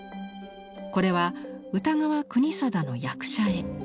これは歌川国貞の役者絵。